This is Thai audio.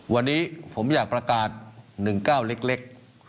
วันนี้ผมอยากประกาศ๑๙เล็ก